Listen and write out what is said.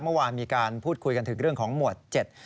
เมื่อวานมีการพูดคุยกันถึงเรื่องของหมวดเจ็ด